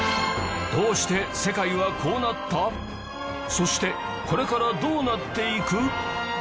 そしてこれからどうなっていく？